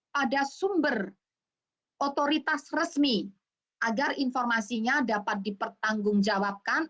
pada sumber otoritas resmi agar informasinya dapat dipertanggungjawabkan